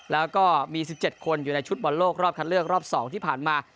แล้วก็มี๑๗คนอยู่ในชุดบอลโลกรอบคัดเลือกรอบ๒ที่ผ่านมา